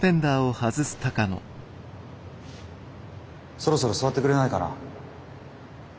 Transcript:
そろそろ座ってくれないかな？